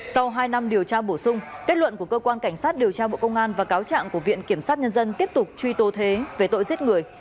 sau hai năm điều tra bổ sung kết luận của cơ quan cảnh sát điều tra bộ công an và cáo trạng của viện kiểm sát nhân dân tiếp tục truy tố thế về tội giết người